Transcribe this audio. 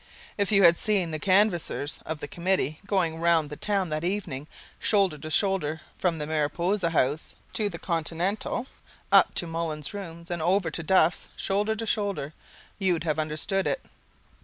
If you had seen the canvassers of the Committee going round the town that evening shoulder to shoulder from the Mariposa House to the Continental and up to Mullins's rooms and over to Duffs, shoulder to shoulder, you'd have understood it.